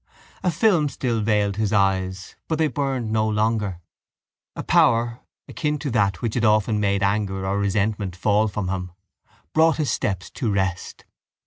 A film still veiled his eyes but they burned no longer. A power, akin to that which had often made anger or resentment fall from him, brought his steps to rest.